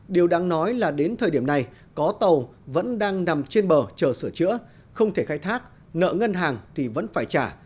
điều đáng nói là đến thời điểm này có tàu vẫn đang nằm trên bờ chờ sửa chữa không thể khai thác nợ ngân hàng thì vẫn phải trả